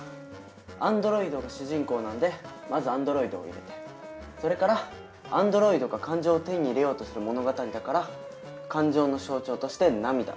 アンドロイドが主人公なのでまず「アンドロイド」を入れてそれからアンドロイドが感情を手に入れようとする物語だから感情の象徴として「涙」。